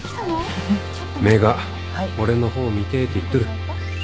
目が「俺の方見て」って言っとる。